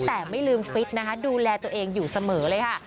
แต่ไม่ลืมฟิตนะคะดูแลตัวเองอยู่เสมอเลยค่ะ